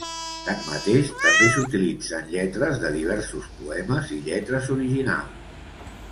Tanmateix, també s'utilitzen lletres de diversos poemes i lletres originals.